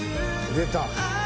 出た。